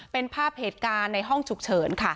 เป็นภาพเหตุการณ์ในห้องฉุกเฉินค่ะ